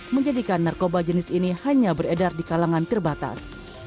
menjadikan narkoba jenis ini hanya beredar di kalangan terbatas